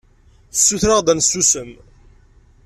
Tessuter-aɣ-d ad nsusem.